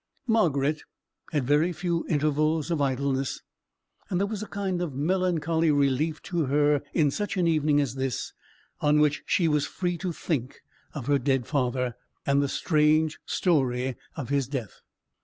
Margaret had very few intervals of idleness, and there was a kind of melancholy relief to her in such an evening as this, on which she was free to think of her dead father, and the strange story of his death.